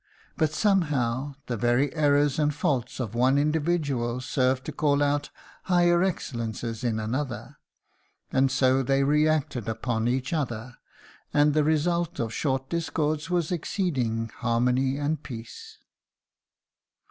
But somehow the very errors and faults of one individual served to call out higher excellences in another; and so they reacted upon each other, and the result of short discords was exceeding harmony and peace."